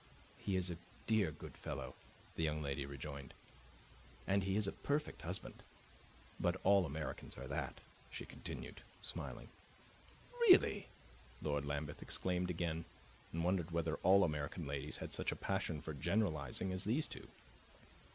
"He is a dear good fellow," the young lady rejoined, "and he is a perfect husband. But all Americans are that," she continued, smiling. "Really!" Lord Lambeth exclaimed again and wondered whether all American ladies had such a passion for generalizing as these two.